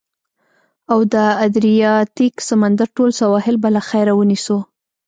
او د ادریاتیک سمندر ټول سواحل به له خیره، ونیسو.